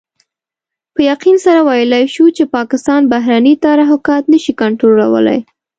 په يقين سره ويلای شو چې پاکستان بهرني تحرکات نشي کنټرولولای.